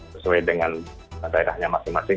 sesuai dengan daerahnya masing masing